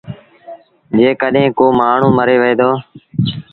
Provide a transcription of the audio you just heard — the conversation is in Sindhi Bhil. جيڪڏهين ڪو مآڻهوٚٚݩ مري وهي دو